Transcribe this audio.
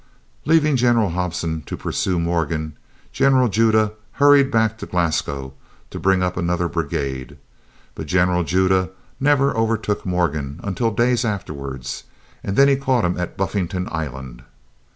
Leaving General Hobson to pursue Morgan, General Judah hurried back to Glasgow to bring up another brigade. But General Judah never overtook Morgan until days afterwards, and then he caught him at Buffington Island.